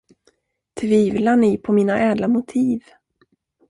Tvivlar ni på mina ädla motiv?